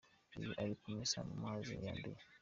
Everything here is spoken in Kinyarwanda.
Uyu ari kumesa mu mazi yanduye.